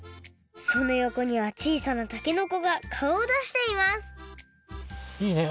そのよこにはちいさなたけのこが顔を出していますいいね！